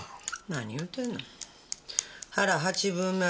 何言うてんの！？